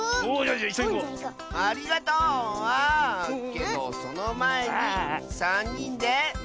けどそのまえにさんにんでせの。